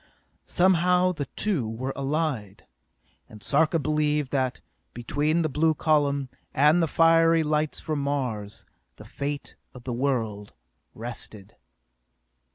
Somehow the two were allied, and Sarka believed that, between the blue column, and the fiery lights from Mars, the fate of the world rested.